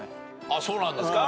あっそうなんですか。